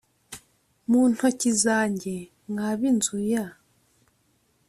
Mu ntoki zanjye mwa b inzu ya